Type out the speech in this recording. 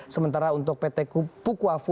sementara untuk pt puku afu